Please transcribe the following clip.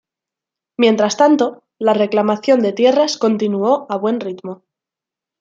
Mientras tanto, la reclamación de tierras continuó a buen ritmo.